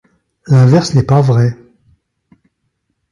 L'inverse n'est pas vrai.